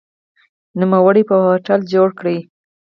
نوموړي په هوټل جوړ کړ.